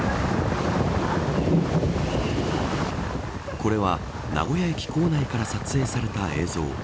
これは名古屋駅構内から撮影された映像。